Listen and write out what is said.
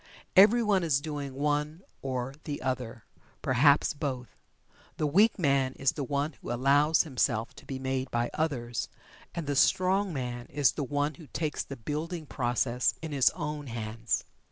Everyone is doing one or the other perhaps both. The weak man is the one who allows himself to be made by others, and the strong man is the one who takes the building process in his own hands.